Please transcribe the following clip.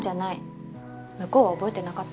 向こうは覚えてなかったし。